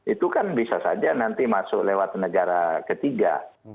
itu kan bisa saja nanti masuk lewat negara ketiga